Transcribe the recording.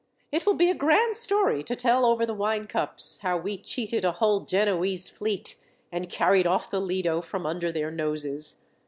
It will be a grand story to tell over the wine cups, how we cheated a whole Genoese fleet, and carried off the Lido from under their noses.